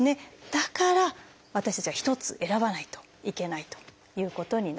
だから私たちは一つ選ばないといけないということになるんです。